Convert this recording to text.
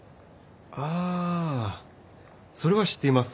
ああそれは知っています。